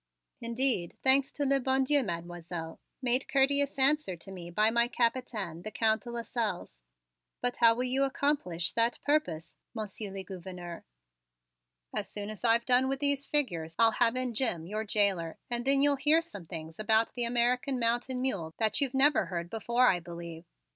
"Indeed, thanks to le bon Dieu, Mademoiselle," made courteous answer to me my Capitaine, the Count de Lasselles. "But how will you accomplish that purpose. Monsieur le Gouverneur?" "As soon as I've done with these figures I'll have in Jim, your jailer, and then you'll hear some things about the American mountain mule that you never heard before, I believe."